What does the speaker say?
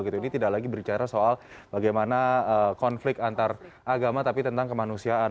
ini tidak lagi berbicara soal bagaimana konflik antar agama tapi tentang kemanusiaan